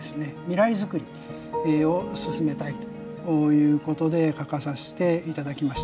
未来づくりを進めたいということで書かさせていただきました。